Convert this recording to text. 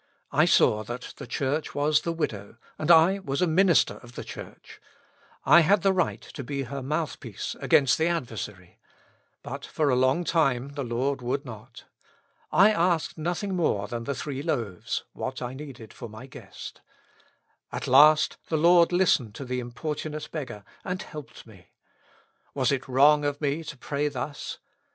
I saw that the Church was the widow, and I was a minister of the Church. I had the right to be her mouthpiece against the adversary ; but for a long time the Lord would not. I asked nothing more than the three loaves ; what I needed for my guest. At last the Lord listened to the importunate beggar, and helped me. Was it wrong of me to pray thus